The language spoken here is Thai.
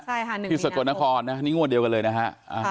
ใช่ค่ะหนึ่งพี่สุดกลอดนครน่ะนี่งวดเดียวกันเลยนะฮะอะ